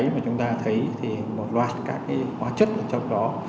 một loạt các hóa chất trong đó